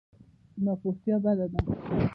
ناپوهتیا بده ده.